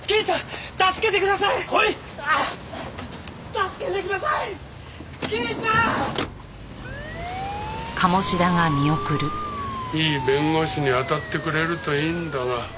いい弁護士に当たってくれるといいんだが。